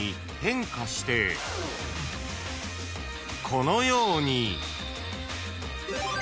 ［このように］